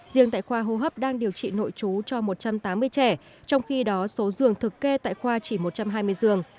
riêng tại khoa hô hấp đang điều trị nội chú cho một trăm tám mươi trẻ trong khi đó số giường thực kê tại khoa chỉ một trăm hai mươi giường